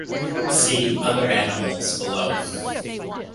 See "Other animals" below.